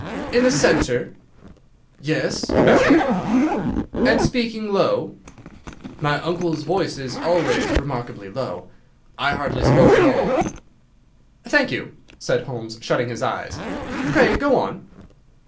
"In the centre?" "Yes, about it." "And speaking low?" "My uncle's voice is always remarkably low. I hardly spoke at all." "Thank you," said Holmes, shutting his eyes; "pray go on."